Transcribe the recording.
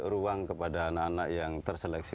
ruang kepada anak anak yang terseleksi